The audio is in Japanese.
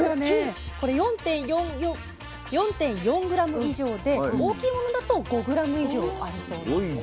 これ４．４ｇ以上で大きいものだと５ｇ以上あるそうなんですよ。